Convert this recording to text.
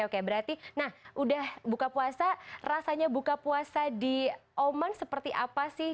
oke berarti nah udah buka puasa rasanya buka puasa di oman seperti apa sih